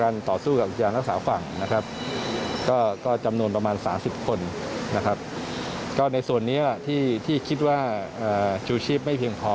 ในส่วนนี้ที่คิดว่าชีวิตไม่เพียงพอ